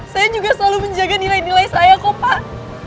saya juga selalu menjaga nilai nilai saya kok pak